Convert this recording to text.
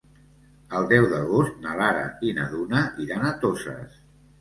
El deu d'agost na Lara i na Duna iran a Toses.